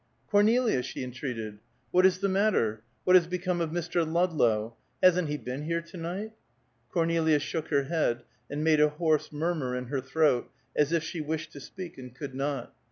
"Cornelia!" she entreated. "What is the matter? What has become of Mr. Ludlow? Hasn't he been here to night?" Cornelia shook her head, and made a hoarse murmur in her throat, as if she wished to speak and could not.